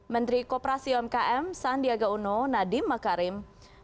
menteri kooperasi umkm sandiaga uno nadiem makarim